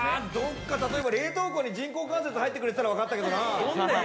冷凍庫に人工関節入ってくれたらわかったけれどもな。